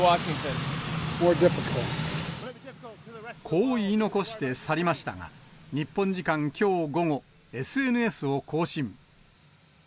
こう言い残して去りましたが、日本時間きょう午後、ＳＮＳを更新。